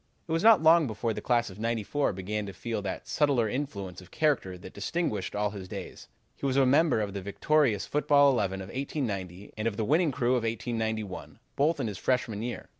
"It was not long before the class of '94 began to feel that subtler influence of character that distinguished all his days. He was a member of the victorious football eleven of 1890, and of the winning crew of 1891, both in his freshman year.